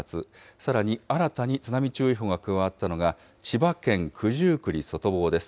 さらに新たに津波注意報が加わったのが、千葉県九十九里外房です。